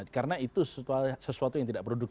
karena itu sesuatu yang tidak produk itu